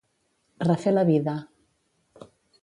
Refer la vida.